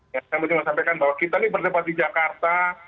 saya mencoba sampaikan bahwa kita ini berdebat di jakarta